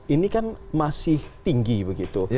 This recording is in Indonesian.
ini kan masih tinggi begitu